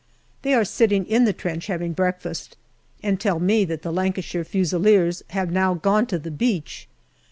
They are sitting in the trench having breakfast, and tell me that the Lancashire Fusiliers have now gone to the beach.